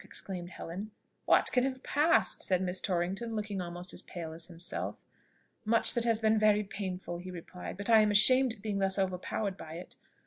exclaimed Helen. "What can have passed?" said Miss Torrington, looking almost as pale himself. "Much that has been very painful," he replied; "but I am ashamed at being thus overpowered by it.